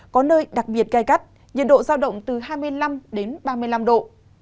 có nơi đặc biệt cay cắt nhiệt độ giao động từ hai mươi năm đến ba mươi năm độ